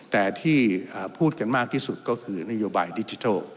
แต่ที่พูดกันมากที่สุดก็คือนโยบายดิจิทัล